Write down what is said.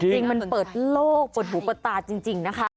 มันเปิดโลกปลดหูปลดตาจริงนะคะ